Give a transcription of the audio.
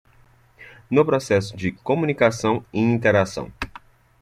No processo de comunicação e interação